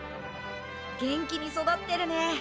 元気に育ってるね。